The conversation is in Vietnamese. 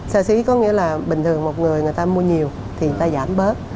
xe xí có nghĩa là bình thường một người người ta mua nhiều thì người ta giảm bớt